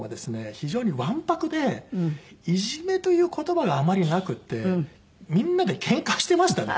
非常にわんぱくでいじめという言葉があまりなくってみんなでケンカしてましたね。